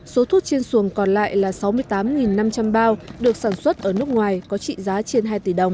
số thuốc trên xuồng còn lại là sáu mươi tám năm trăm linh bao được sản xuất ở nước ngoài có trị giá trên hai tỷ đồng